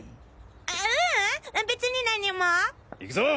ううん別に何も。いくぞ！